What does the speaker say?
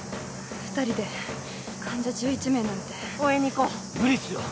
２人で患者１１名なんて応援に行こう無理っすよ